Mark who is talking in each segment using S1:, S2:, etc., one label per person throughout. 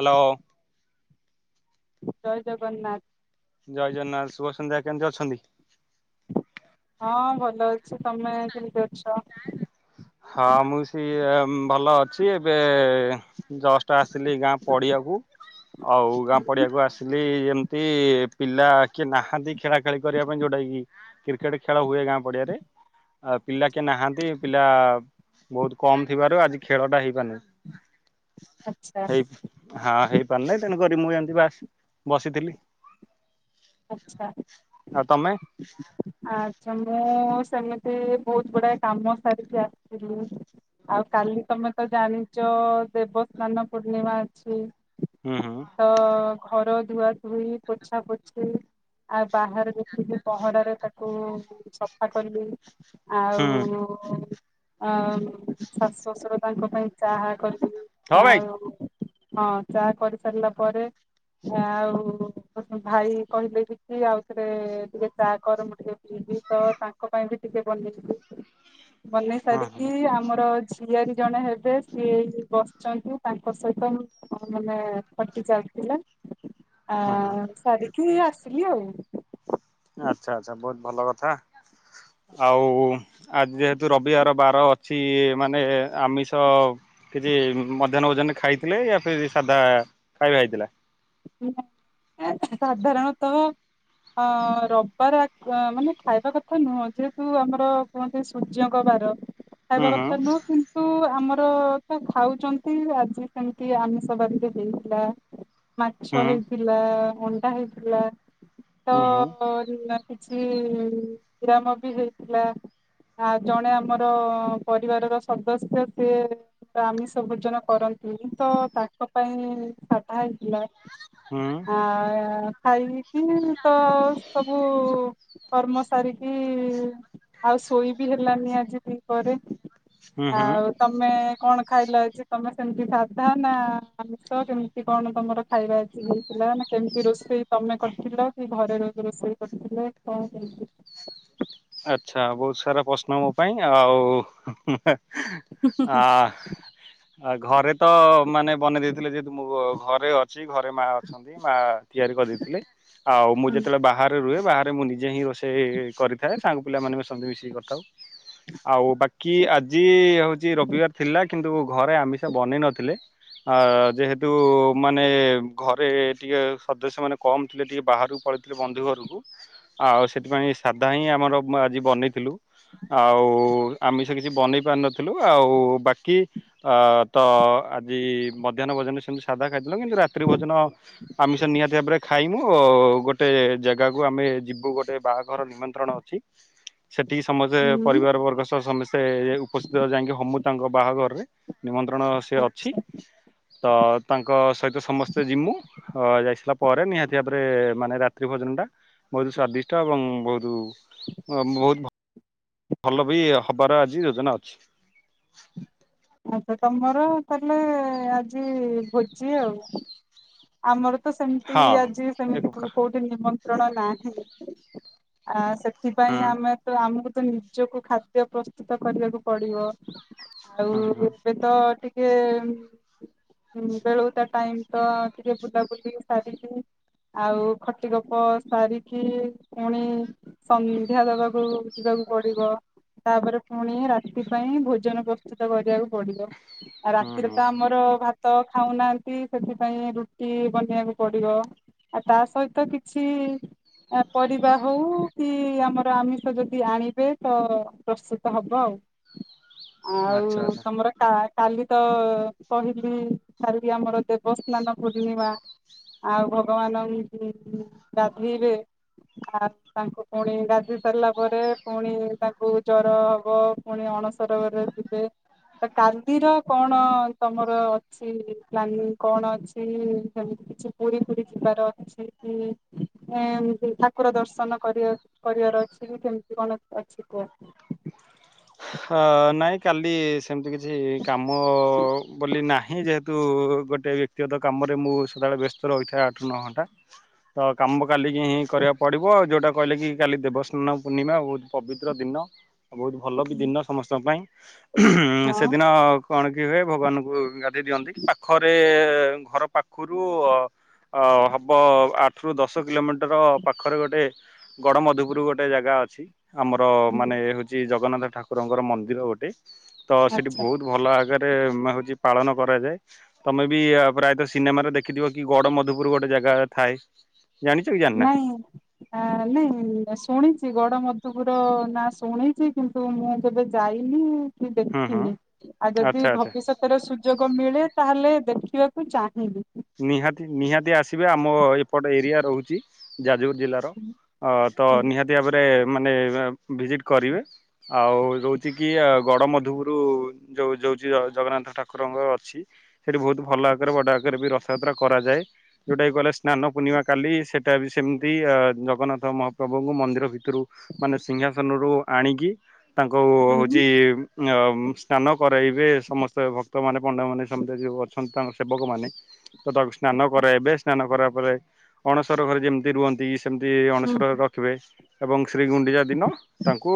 S1: Hello
S2: ଜୟ ଜଗନ୍ନାଥ।
S1: ଜୟ ଜଗନ୍ନାଥ ଶୁଭ ସନ୍ଧ୍ୟା। କେମିତି ଅଛନ୍ତି?
S2: ହଁ ଭଲ ଅଛି। ତମେ କେମିତି ଅଛ?
S1: ହଁ ମୁଁ ସିଏ ଭଲ ଅଛି। ଏବେ ଜଷ୍ଟ୍ ଆସଥିଲି ଗାଁ ପଡିିଆକୁ। ଆଉ ଗାଁ ପଡ଼ିଆକୁ ଆସିଲି ଏମିତି ପିଲା କିଏ ନାହାନ୍ତି ଖେଳା ଖେଳାଖେଳି କରିବା ପାଇଁ ଯୋଉଟା କି କ୍ରିକେଟ ଖେଳ ହୁଏ ଗାଁ ପଡ଼ିଆରେ। ଆଉ ପିଲା କିଏ ନାହାନ୍ତି? ପିଲା ବହୁତ କମ୍ ଥିବାରୁ ଆଜି ଖେଳଟା ହେଇପାରୁନି।
S2: ଆଚ୍ଛା
S1: ହେଇ ହଁ ହେଇପାରୁ ନାହିଁ। ତେଣୁ କରି ମୁଁ ଯେମିତି ବାସ୍ ବସିଥିଲି।
S2: ଆଚ୍ଛା
S1: ଆଉ ତମେ
S2: ଆଚ୍ଛା ମୁଁ ସେମିତି ବହୁତ ଗୁଡାଏ କାମ ସାରିକି ଆସିଥିଲି। ଆଉ କାଲି ତମେ ତ ଜାଣିଚ ଦେବସ୍ନାନ ପୂର୍ଣ୍ଣିମା ଅଛି।
S1: ଉଁ ହୁଁ
S2: ତ ଘର ଧୁଆଧୁଇ ପୋଛାପୋଛି ଆଉ ବାହାରେ ଦେଖିକି ପହଁରାରେ କୁ ସଫା କଲି
S1: ହୁଁ
S2: ଆଉ ଆଉ ଶାଶୁ ଶଶୁର ତାଙ୍କ ପାଇଁ ଚାହା
S1: ହଁ
S2: କରିିକି
S1: ଭାଇ
S2: ଆଉ ହଁ ଚାହା କରି ସାରିଲା ପରେ ଆଉ ଭାଇ କହିଲେ [unintelligible] ଆଉ ଥରେ ଟିକେ ଚା [unintelligible] [unintelligible] ତାଙ୍କ ପାଇଁ ବି ଟିକେ ବନେଇ-ବନେଇ
S1: ହଁ ହଁ
S2: ସାରିକି ଆମର ଝିଆରି ଜଣେ ହେବେ ସିଏ ବସିଚନ୍ତି ତାଙ୍କ ସହିତ ମାନେ ଫଟି ଚାଲିଥିଲା ଆ
S1: ହଁ ହଁ
S2: ସାରିକି ଆସିଲି ଆଉ।
S1: ଆଚ୍ଛା-ଆଚ୍ଛା ବହୁତ୍ ଭଲ କଥା, ଆଉ ଆଜି ଯେହେତୁ ରବିବାର ବାର ଅଛି ମାନେ ଆମିଷ କିଛି ମଧ୍ୟାହ୍ନ ଭୋଜନରେ ଖାଇଥିଲେ [unintelligible] ସାଧା ଖାଇବା ହେଇଥିଲା?
S2: [unintelligible] ସାଧାରଣ ତ ଅ ରବିବାର ମାନେ ଖାଇବା କଥା ନୁହଁ ଯେହେତୁ ଆମର କୁହନ୍ତି ସୂର୍ଯ୍ୟଙ୍କ ବାର
S1: ହୁଁ
S2: ଖାଇବା
S1: ହୁଁ
S2: କଥା ନୁହଁ କି ତୁ ଆମର ତ ଖାଉଚନ୍ତି ଆଜି ସେମ୍ତି ଆମିଷ ବାରିରେ ହେଇଥିଲା ମାଛ
S1: ହୁଁ
S2: ହେଇଥିଲା ଅଣ୍ଡା ହେଇଥିଲା
S1: ହୁଁ ହୁଁ
S2: ତ କିଛି [unintelligible] ବି ହେଇଥିଲା। ଆ ଜଣେ ଆମର ପରିବାରର ସଦସ୍ୟ ସିଏ ଆମିଷ ଭୋଜନ କରନ୍ତିନି ତ ତାଙ୍କ ପାଇଁ ସାଧା ହେଇଥିଲା।
S1: ହୁଁ-ହୁଁ।
S2: ଆ ଖାଇକି ତ ସବୁ କର୍ମ ସାରିକି ଆଉ ଶୋଇ ବିି ହେଲାନି ଆଜି ଦି ପରେ। [unintelligible]
S1: ହୁଁ ହୁଁ
S2: ତମେ କଣ ଖାଇଲ ଆଜି ତମେ ସେମ୍ତି ସାଧା ନା ଆମିଷ କେମ୍ତି କଣ ତମର ଖାଇବା ଆଜି ହେଇଥିଲା ନା କେମ୍ତି ରୋଷେଇ ତମେ କରିଥିଲ କି ଘରେ ର ରୋଷେଇ କରିଥିଲେ କଣ କେମ୍ତି?
S1: ଆଚ୍ଛା ବହୁତ୍ ସାରା ପ୍ରଶ୍ନ ମୋ ପାଇଁ ଆଉ ଆ ଆ ଘରେ ତ ମାନେ ବନେଇ ଦେଇଥିଲେ ଯେହେତୁ ମୁଁ ଘରେ ଅଛି ଘରେ ମା [unintelligible] ମା ତିଆରି କରିଦେଇଥିଲେ ଆଉ ମୁଁ
S2: ହୁଁ
S1: ଯେତବେଳେ ବାହାରେ ରୁହେ ବାହାରେ ମୁଁ ନିଜେ ହିଁ ରୋଷେଇ କରିି ଥାଏ ସାଙ୍ଗ ପିଲାମାନେ ବି ମିଶିକି କରିଥାଉ ଆଉ ବାକି ଆଜି ହଉଚି ରବିବାର ଥିଲା କିନ୍ତୁ ଘରେ ଆମିଷ ବନେଇ ନଥିଲେ ଆ ଯେହେତୁ ମାନେ ଘରେ ଟିକେ ସଦସ୍ୟ ମାନେ କମ୍ ଥିଲେ ଟିକେ ବାହାରକୁ ପଳେଇଥିଲେ ବନ୍ଧୁ ଘରୁକୁ, ଆଉ ସେଥିପାଇଁ [unintelligible] ଆମର ଆଜି ବନେଇଥିଲୁ। ଆଉ ଆମିଷ କିଛି ବନେଇ ପାରିନଥିଲୁ ଆଉ ବାକି ଆ ତ ଆଜି ମଧ୍ୟାହ୍ନ ଭୋଜନରେ ସେମ୍ତି ସାଧା ଖାଇଥିଲୁ କିନ୍ତୁ ରାତ୍ରି ଭୋଜନ ଆମିଷ ନିହାତି ଭାବରେ [unintelligible] ଆ ଗୋଟେ ଜାଗାକୁ ଆମେ ଯିବୁ ଗୋଟେ ବାହାଘର ନିମ ନ୍ତ୍ରଣ ଅଛି ସେଠି ସମସ୍ତେ
S2: ହୁଁ।
S1: ପରିବାର ବର୍ଗ ସହ ସମ ସ୍ତେ ଉପସ୍ଥିତ ଯାଇଁକି [unintelligible] ତାଙ୍କ ବାହାଘରରେ ନିମନ୍ତ୍ରଣ ସେ ଅଛି।
S2: ଆଚ୍ଛା
S1: ତ ତାଙ୍କ ସହିତ ସମସ୍ତେ [unintelligible] ହଅ ଯାଇସାରିଲା ପରେ ନିହାତି ଭାବରେ ମାନେ ରାତ୍ରି ଭୋଜନ ଟା ବହୁତୁ ସ୍ଵାଦିଷ୍ଟ ଏବଂ ବହୁତୁ ଅ ବହୁତୁ ଭଲ ବି ହବାର ଆଜି ଯୋଜନା ଅଛି।
S2: ଏବେ ତମର [unintelligible] ଆଜି ଭୋଜି ଆଉ। ଆମର ତ ସେମ୍ତି
S1: ହଁ
S2: ଆଜି
S1: ଏକ
S2: ସେମିତି
S1: ପ୍ରକାର
S2: [unintelligible] କି ନିମନ୍ତ୍ରଣ ନାହିଁ ଆ ସେଥିପାଇଁ
S1: ହୁଁ
S2: ଆମେ ତ ଆମକୁ ତ ନିଜକୁ ଖାଦ୍ୟ ପ୍ରସ୍ତୁତ କରିବାକୁ ପଡିବ। ଆଉ
S1: ହୁଁ ହୁଁ
S2: ଏବେ ତ ଟିକେ ବେଳ ଓତା ଟାଇମ୍ ତ ଟିକେ ବୁଲାବୁଲି ସାରିକି ଆଉ ଖଟି ଗପ ସାରିକି ପୁଣି ସନ୍ଧ୍ୟା ଦବାକୁ ଯିବାକୁ ପଡିବ ତାପରେ ପୁଣି ରାତି ପାଇଁ ଭୋଜନ ପ୍ରସ୍ତୁ ସ୍ତୁତ କରିବାକୁ ପଡିବ ଆଉ
S1: ହୁଁ
S2: ରାତିରେ
S1: ହୁଁ।
S2: ତ ଆମର ଭାତ ତ ଖାଉନାହାନ୍ତି ସେଥିପାଇଁ ରୁଟି ବନେଇବାକୁ ପଡିବ। ଆଉ ତା ସହିତ କିଛି ପରିବା ହୋଉ କି ଆମର ଆମିଷ ଯଦି ଆଣିବେ ତ ପ୍ରସ୍ତୁତ ହବ ଆଉ।
S1: ଆଚ୍ଛା
S2: ଆଉ
S1: ଆଚ୍ଛା
S2: ତମର ଆ କାଲି ତ କହିଲି କାଲି ଆମର ଦେବସ୍ନାନ ପୂର୍ଣିମା। ଆଉ ଭଗବାନଙ୍କୁ ଗାଧେଇବେ ଆ ତାଙ୍କୁ ପୁଣି ଗାଧେଇ ସାରିଲା ପରେ ପୁଣି ତାଙ୍କୁ ଜର ହବ ପୁଣି ଅଣସର ଘରେ ଥିବେ। ତ କାଲିର କଣ ତମର ଅଛି ପ୍ଲାନିଂ କଣ ଅଛି। ସେମିତି କିଛି ପୁରୀ ଫୁରୀ ଯିବାର ଅଛି କି? ଏମିତି ଠାକୁର ଦର୍ଶନ କରିବାକୁ କରିବାର ଅଛି କି କେମିତି କଣ ଅଛି କୁହ?
S1: ହଁ ନାଇଁ କାଲି ସେମିତି କିଛି କାମ ବୋଲି ନାହିଁ। ଯେହେତ ତୁ ଗୋଟେ ବ୍ୟକ୍ତିଗତ କାମରେ ମୁଁ ସଦାବେଳେ ବ୍ୟସ୍ତ ରହିଥାଏ ଆଠରୁ ନଅ ଘଣ୍ଟା। ତ କାମ କାଲିକି କରିବାକୁ ପଡିବ ଆଉ ଯୋଉଟା କହିଲ କି କାଲି ଦେବସ୍ନାନ ପୂର୍ଣ୍ଣିମା ବୋହୁତୁ ପବିତ୍ର ଦିନ। ବୋହୁତୁ ଭଲ ବି ଦିନ ସମସ୍ତଙ୍କ ପାଇଁ ଉଁ
S2: ହଁ
S1: ସେଦିନ କଣ କି ଭାଇ ଭଗବାନଙ୍କୁ ଜା ସେ ଦିଅନ୍ତି ପାଖରେ ଘର ପାଖ ଖୁରୁ ଅ ଅ ହବ ଆଠୁ ରୁ ଦଶ କିଲୋମିଟର ପାଖରେ ଗୋଟେ ଗଡ଼ ମଧୁପୁରୁ ଗୋଟେ ଜାଗା ଅଛି। ଆମର ମାନେ ହେଉଛି ଜଗନ୍ନାଥ ଠାକ ଠାକୁରଙ୍କର ମନ୍ଦିର ଗୋଟେ ତ ସେଇଠି
S2: ଆଚ୍ଛା
S1: ବୋହୁତୁ ଭଲ ଆଗରେ ହେଉଛି ପାଳନ କରାଯାଏ। ତମେ ବି ପ୍ରାୟତଃ ସିନେମାରେ ଦେଖିଥିବ କି ଗଡ ମଧୁପୁର ଗୋଟେ ଜାଗା ଥାଏ? ଜାଣିଛ କି ଜାଣିନା?
S2: ନାଇଁ। ଖା ଲି ଶୁଣିଛି ଗଡ ମଧୁପୁର ନାଁ ଶୁଣିଛି କିନ୍ତୁ ମୁଁ କେବେ ଯାଇନି କି
S1: ହୁଁ ହୁଁ
S2: ଦେଖିନି ଆଉ ଯଦି
S1: ଆଚ୍ଛା ଆଚ୍ଛା।
S2: ଭବିଷ୍ୟତ ତରେ ସୁଯୋଗ ମିଳେ ତାହେଲେ ଦେଖିବାକୁ ଚାହିଁବି।
S1: ନିହାତି ନିହାତି ଆସିବେ ଆମ ଏପଟ ଏରିଆ ରହୁଛି ଯାଜପୁର ଜିଲ୍ଲା ତ ଅ ତ
S2: ହୁଁ
S1: ନିହାତି ଭାବରେ ମାନେ ଭିଜିଟି କରିବେ। ଆଉ ରୋଉଛି କି ଗଡ ମଧୁପରୁ ଯୋଉ ଯୋଉଛି ଜଗନ୍ନାଥ ଠାକୁରଙ୍କର ଅଛି ସେଠି ବୋହୁତୁ ଭଲ ଆକାରେ ବଡ ଆକାରେ ବି ର ରଥଯାତ୍ରା କରାଯାଏ। ଯୋଉଟାକି କହିଲ ସ୍ନାନ ପୂର୍ଣ୍ଣିମା କାଲି ସେଇଟା ବି ସେମିତି ଜଗନ୍ନାଥ ମହାପ୍ରଭୁଙ୍କୁ ମନ୍ଦିର ଭିତରୁ ମାନେ ସିଂହାସନରୁ ଆଣିକି ତାଙ୍କୁ
S2: ହୁଁ
S1: ହୋଉଛି ଅ ସ୍ନାନ କରାଇବେ ସମସ୍ତେ ଭକ୍ତ ଭକ୍ତ ମାନେ ପଣ୍ଡା ମନେ ସମସ୍ତେ ଯୋଉ ଅଛନ୍ତି ତାଙ୍କ ସେବକମାନେ ତ ତାକୁ ସ୍ନାନ କରାଇବେ ସ୍ନାନ କରା ପରେ ଅଣସର ଘରେ ଯେମିତି ରୁହନ୍ତି। ସେମିତି ଅଣସର ଘରେ
S2: ହୁଁ।
S1: ରଖିବେ ଏବଂ ଶ୍ରୀଗୁଣ୍ଡିଚା ଦିନ ତାଙ୍କୁ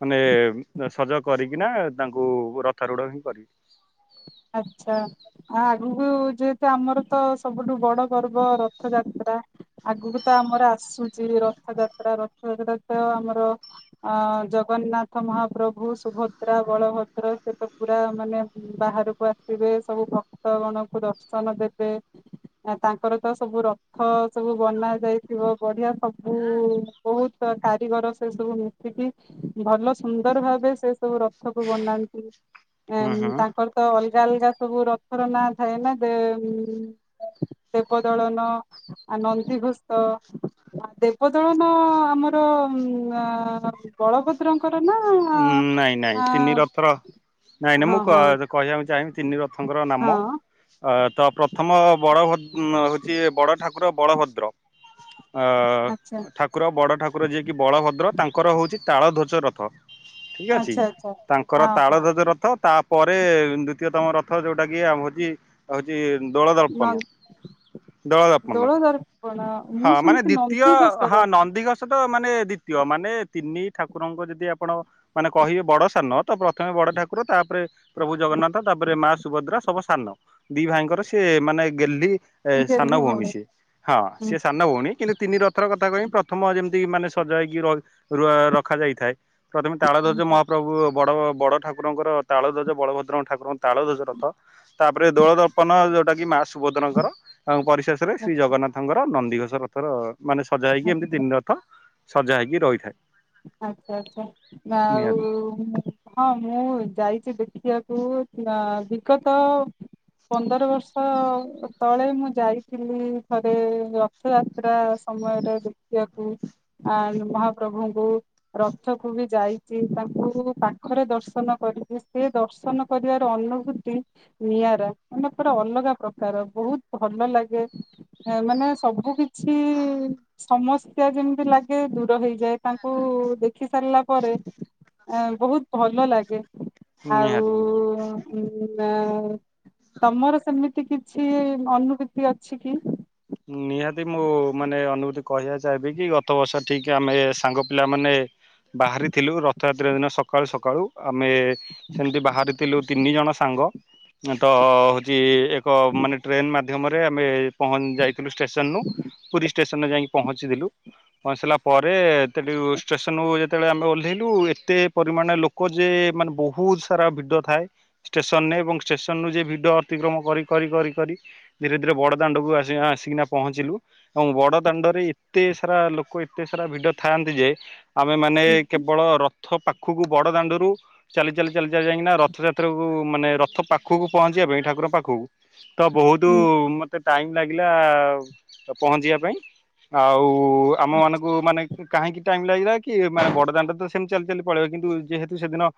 S1: ମାନେ ସଜ କରିକିନା ତାଙ୍କୁ ରଥ ରୁଡ ହିଁ କରିବେ।
S2: ଆଚ୍ଛା। ଆ ଆଗକୁ ଯେହେତୁ ଆମର ତ ସବୁଠୁ ବଡ଼ ପର୍ବ ରଥଯାତ୍ରା ଆଗକୁ ତ ଆମର ଆସୁଚି ରଥଯାତ୍ରା ରଥଯାତ୍ରା ତ ଆମର ଅଁ ଜଗନ୍ନାଥ ମହାପ୍ରଭୁ ସୁଭଦ୍ରା ବଳଭଦ୍ର ସେ ତ ପୁରା ମାନେ ବାହାରୁ କୁ ଆସିବେ ସବୁ ଭକ୍ତ ଗଣଙ୍କୁ ଦର୍ଶନ ଦେବେ। ଆ ତାଙ୍କର ତ ସବୁ ରଥ ସବୁ ବନା ଯାଇଥିବ ବଢିଆ ସବ୍ ବୁ ବୋହୁତ୍ କାରିଗର ସେ ସବୁ ହୁ ସେବି ଭଲ ସୁନ୍ଦର ଭାବେ ସେ ସବୁ ରଥକୁ ବନାନ୍ତି
S1: ହୁଁ
S2: ଏମ୍
S1: ହୁଁ
S2: ତାଙ୍କର ତ ଅଲ୍ଗା ଅଲ୍ଗା ସବୁ ରଥର ନାଁ ଥାଏ ନା ଦେଏମ୍ ଦେବ ଦଳନ ଆ ନନ୍ଦୀଘୋସ୍ତ। ଆ ଦେବଦଳନ ଆମର ଆଁ ବଳଭ ଦ୍ରଙ୍କର ନା
S1: ଉଁ ନାଇଁ ନାଇଁ
S2: ଆ
S1: ତିନି ରଥର ନାଇଁ ନାଇଁ ମୁଁ
S2: ହଁ
S1: କ
S2: ହଁ
S1: କହିବାକୁ ଚାହିଁବି ତିନି ରଥଙ୍କର
S2: ହଁ
S1: ନାମ? ଅ ତ ପ୍ରଥମ ବଳଭଦ୍ ହଉଚି ବଡ଼ ଠାକୁର ବଳଭଦ୍ର।
S2: ଆଚ୍ଛା
S1: ଅ ଠାକୁର ବଡ଼ ଠାକୁର ଯିଏକି ବଳଭଦ୍ର ତାଙ୍କର ହଉଚି ତାଳ ଧ୍ୱଜ ରଥ। ଠିକ୍ ଅଛି
S2: ଆଚ୍ଛା ଆଚ୍ଛା
S1: ତାଙ୍କର
S2: ହଁ ହଁ
S1: ତାଳଧ୍ବଜ ରଥ ତା ପରେ ଦ୍ଵିତୀୟତମ ରଥ ଯୋଉଟା କି ଆମ୍ ହଉଚି ହଉଚି ଦୋଳ ଦର୍ପଣ।
S2: ନ
S1: ଦଳଦପନ
S2: ଦୋଳ ଦର୍ପଣ ମୁଁ
S1: ହଁ ମାନେ
S2: ଶୁଣିଛି
S1: ଦ୍ଵିତୀୟ ହଁ
S2: ନନ୍ଦିଘୋଷର
S1: ନନ୍ଦିଘୋଷ୍ ଛୋଟ ମାନେ ଦ୍ୱିତୀୟ ମାନେ ତିନି ଠାକୁରଙ୍କ ଯଦି ଆପ୍ ଆପଣ ମାନେ କହିବେ ବଡ଼ ସାନ ତ ପ୍ରଥମେ ବଡ଼ ଠାକୁର ତାପ୍ରେ ପ୍ରଭୁ ଜଗନ୍ନାଥ ତାପ୍ରେ ମା ସୁଭଦ୍ରା ସବୁ ସାନ ଦି ଭାଇଙ୍କର ସିଏ ମାନେ ଗେଲ୍ହି ଏ ସାନ ଭଉଣୀ ସିଏ ହଁ
S2: ହୁଁ
S1: ସିଏ ସାନ ଭଉଣୀ। କିନ୍ତୁ ତିନି ରଥ ର କଥା କହିବି ପ୍ରଥମ ଯେମିତି ମାନେ ସଜା ହେଇକି ର ର ରଖାଯାଇଥାଏ। କରିମି ତାଳଧ୍ୱଜ
S2: ହୁଁ
S1: ମହାପ୍ରଭୁ ବଡ଼ ବଡ଼ ଠାକୁ ଠାକୁରଙ୍କର ତାଳଧ୍ୱଜ ବଳଭଦ୍ର ଠାକୁରଙ୍କ ତାଳଧ୍ୱଜ ରଥ। ତାପରେ ଦୋଳ ଦର୍ପନ ଯୋଉଟା କି ମା ସୁଭଦ୍ରଙ୍କର ତାଙ୍କ ପରିଶେଷ୍ ରେ ଶ୍ରୀ
S2: ଆଚ୍ଛା
S1: ଜଗନ୍ନାଥଙ୍କର ନନ୍ଦିଘୋଷ ରଥର ମାନେ ସଜା ହେଇକି ଏମିତି
S2: ଆଚ୍ଛା
S1: ତିନି ରଥ ସଜା ହେଇକି ରହିଥାଏ।
S2: ଆଚ୍ଛା ଆଚ୍ଛା
S1: ନିହାତି
S2: ଆଉ ହଁ ମୁଁ ଯାଇଚି ଦେଖିବାକୁ ଅ ଦୀର୍ଘତ ପନ୍ଦର ବର୍ଷ ତଳେ ମୁଁ ଯାଇଥିଲି ଥରେ ର ରଥ ଯାତ୍ରା ସମୟରେ ଦେଖିବାକୁ ଆନ୍ ମହାପ୍ରଭୁ
S1: [inaudible]
S2: ରଥକୁ ବି ଯାଇଚି ତାଙ୍କୁ ପାଖରେ ଦର୍ଶନ କରିଚି ସେ ଦର୍ଶନ କରିବାର ଅନୁଭୂତି ନିଆଁରା ମାନେ ପୁରା ଅଲଗା ପ୍ରକାର ବୋହୁତ୍ ଭଲ ଲାଗେ ମାନେ ସବୁ କିଛି ସମସ୍ୟା ଯେମିତି ଲାଗେ ଦୂର ହେଇଯାଏ ତା ଙ୍କୁ ଦେଖି ସାରିଲା ପରେ ଅ ବୋହୁତ୍ ଭଲ ଲାଗେ। ଆଉ
S1: ନିହାତି
S2: ଉଁ ତମର ସେମିତି କିଛି ଅନୁଭୂତି ଅଛି କି?
S1: ନିହାତି ମୁଁ ମାନେ ଅନୁଭୂତି କହିବା ଚାହିଁବି କି ଗତ ବର୍ଷ ଠିକ୍ ଆମେ ସାଙ୍ଗ ପିଲା ମାନେ ବାହାରିଥିଲୁ ରଥଯାତ୍ରା ଦିନ ସକାଳୁ ସକାଳୁ ଆମେ ସେମିତି ବାହାରିଥିଲୁ ତିନି ଜଣ ସାଙ୍ଗ ତ ହଉଚି ଏକ ମାନେ ଟ୍ରେନ ମାଧ୍ୟମରେ ଆମେ ପହଞ୍ଚି ଯାଇ ଥିଲୁ ଷ୍ଟେସନ୍ରୁୁ ପୁରୀ ଷ୍ଟେସନ୍ ରେ ଯାଇକି ପହଞ୍ଚିଥିଲୁ। ପହଞ୍ଚିଲା ପରେ ସେଠୁ ଷ୍ଟେସନରୁ ଯେତେବେଳେ ଆମେ ଓହ୍ଲେଇଲୁ ଏତେ ପରିମାଣରେ ଲୋ କ ଯେ ମାନେ ବହୁତ୍ ସାରା ଭିଡ ଥାଏ। ଷ୍ଟେସନରେ ଏବଂ ଷ୍ଟେସନରୁ ଯେ ଭିଡି ଅତିକ୍ରମ କରି କରି କରି କରି ଧୀରେ ଧୀରେ ବଡ଼ ଦାଣ୍ଡକୁ ଆସିବା ଆସ୍ କିନା ପହଞ୍ଚିଲୁ। ଏବଂ ବଡ଼ ଦାଣ୍ଡରେ ଏତେ ସାରା ଲୋକ ଏତେ ସାରା ଭିଡ ଥାଆନ୍ତି ଯେ ଆମେମାନେ
S2: ହୁଁ
S1: କେବଳ ରଥ ପାଖକୁ ବଡ଼ ଦାଣ୍ଡରୁ ଚାଲି ଚାଲି ଚାଲି ଚାଲି ଯାଇକିନା ରଥଯାତ୍ରାକୁ ମାନେ ରଥ ପାଖକୁ ପହଞ୍ଚିବା ପାଇଁ ଠାକୁଙ୍କ ପାଖକୁ ତ ବହୁତ
S2: ହୁଁ।
S1: ମତେ ଟାଇମ୍ ଲାଗିଲା। ଆ ପହଞ୍ଚିବା ପାଇଁ। ଆଉ ଆମ ମାନଙ୍କୁ ମାନେ କାହିଁକି ଟାଇମ ଲାଗିଲା କି? ମାନେ ବଡ ଦାଣ୍ଡ ତ ସେମିତି ଚାଲି ଚାଲି ପଳେଇବେ। କିନ୍ତୁ ଯେହେତୁ ସେଦିନ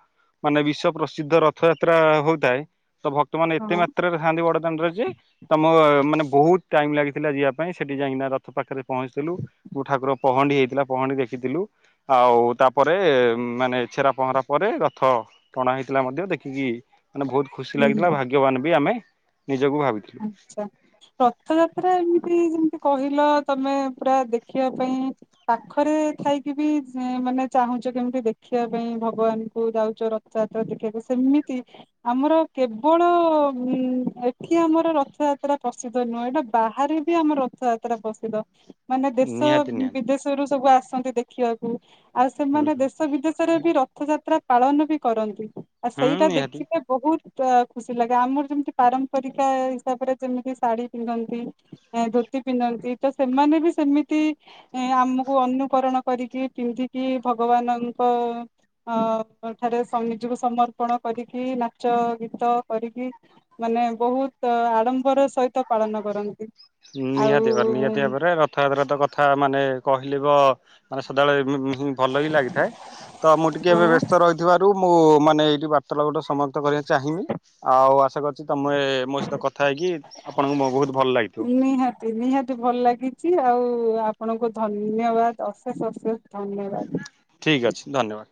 S1: ମାନେ ବିଶ୍ଵ ପ୍ରସିଦ୍ଧ ରଥଯାତ୍ରା ହଉଥାଏ। ତ ଭ କ୍ତ ମାନେ ଏତେ
S2: ହଁ
S1: ମାତ୍ରାରେ ଥାଆନ୍ତି ବଡ଼ଦାଣ୍ଡରେ ଯେ ତମ ମାନେ ବହୁତ୍ ଟାଇମ୍ ଲାଗିଥିଲା ଯିବା ପାଇଁ। ସେଠି ଯାଇକିନା ରଥ ପାଖରେ ପହଞ୍ଚିଥିଲୁ। ଠାକୁର ପହଣ୍ଡି ହେଇଥିଲା ପହଣ୍ଡି ଦେଖିଥିଲୁ। ଆଉ ତାପରେ ମାନେ ଛେରା ପହଁରା ପରେ ରଥ ଟଣା ହେଇଥିଲା ମଧ୍ୟ ଦେଖିକି ମାନେ ବହୁତ୍ ଖୁସି
S2: ହୁଁ
S1: ଲାଗିଥିଲା ଭାଗ୍ୟବାନ ବି ଆମେ ନିଜକୁ ଭାବିଥିଲୁ।
S2: ଆଚ୍ଛା। ରଥଯାତ୍ରା ଏମିତି ଯେମିତି କହିଲ ତମେ ପୁରା ଦେଖିବା ପାଇଁ ପାଖରେ ଥାଇକି ବି ମାନେ ଚାହୁଁଚ କେମିତି ଦେଖିବା ପାଇଁ ଭଗବାନ ଙ୍କୁ ଯାଉଚ ର ଯାତ୍ର ଦେଖିବାକୁ। ସେମିତି ଆମର କେବଳ କି ଆମର ରଥଯାତ୍ରା ପ୍ରସିଦ୍ଧ ନୁହଁ। ଏଟା ବାହାରେ ବି ଆମର ରଥଯାତ୍ରା ପ୍ରସିଦ୍ଧ। ମାନେ ଦେଶ
S1: ନିହାତି ନିହାତି
S2: ବିଦେଶରୁୁ ସବୁ ଆସନ୍ତି ଦେଖିବାକୁ। ଆଉ
S1: ହୁଁ
S2: ସେମାନେ
S1: ହୁଁ
S2: ଦେଶ ବିଦେ ରେ ବି ରଥଯାତ୍ରା ପାଳନ ବି କରନ୍ତି। ଆଉ
S1: ହୁଁ
S2: ସେଇଟା
S1: ନିହାତି
S2: ଦେଖିବା ବହୁତ୍ ଖୁସି ଲାଗେ। ଆମର ଯେମିତି ପାରମ୍ପରିକା ହିସାବରେ ଯେମିତି ଶାଢୀ ପିନ୍ଧନ୍ତି ଧୋତି ପିନ୍ଧନ୍ତି ତ ସେମାନେ ବି ସେମିତି ଏ ଆମକୁ ଅନୁକରଣ କରିକି ପିନ୍ଧିକି ଭଗବାନଙ୍କ ଅ ଠାରେ ସ ନିଜକୁ ସମର୍ପଣ କରିକି ନାଚ ଗୀତ କରିକି ମାନେ ବହୁତ୍ ଆଡ଼ମ୍ବର ସହି ହିତ ପାଳନ କରନ୍ତି।
S1: ନିହାତି
S2: ଆଉ
S1: ଭାବରେ ନିହାତି ଭାବରେ ରଥଯାତ୍ରା ତ କଥା ମାନେ କହିଲେ ବ ମାନେ ସଦାବେଳେ ହଁ ଭଲ ହିଁ ଲାଗିଥାଏ। ତ ମୁଁ ଟିକେ ଏବେ
S2: ହଁ
S1: ବ୍ୟସ୍ତ ରହିଥିବାରୁ ମୁଁ ମାନେ ଏଇଠି ବା ର୍ତ୍ତାଳାପ ଟା ସମାପ୍ତ କରିବାକୁ ଚାହିଁବି। ଆଉ ଆଶା କରୁଚି ତମେ ମୋ ସହିତ କଥା ହେଇକି ଆପଣଙ୍କୁ ମୋ ବହୁତ୍ ଭଲ ଲାଗିଥିବ।
S2: ନିହାତି ନିହାତି ଭଲ ଲାଗିଚି। ଆଉ ଆପଣଙ୍କୁ ଧନ୍ୟବାଦ ଅଶେଷ ଅଶେଷ ଧନ୍ୟବାଦ।
S1: ଠିକ୍ ଅଛି ଧନ୍ୟବାଦ୍।